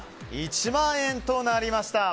１万円となりました。